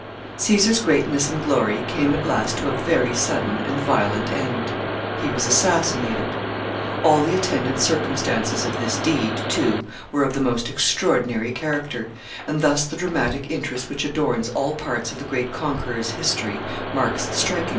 Caesar's greatness and glory came at last to a very sudden and violent end. He was assassinated. All the attendant circumstances of this deed, too, were of the most extraordinary character, and thus the dramatic interest which adorns all parts of the great conqueror's history marks strikingly its end.